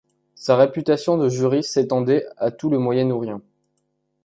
Sa réputation de juriste s'étendait à tout le Moyen-Orient.